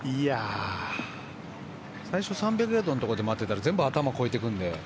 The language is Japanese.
最初３００ヤードのところで待っていたら全部、頭を越えていくので。